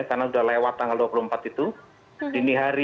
karena sudah lewat tanggal dua puluh empat itu dini hari itu sekitar jam dua belas